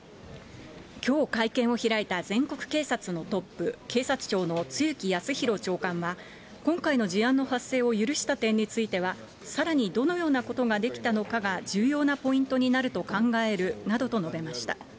きょう会見を開いた全国警察のトップ、警察庁の露木康浩長官は、今回の事案の発生を許した点については、さらにどのようなことができたのかが重要なポイントになると考えるなどと述べました。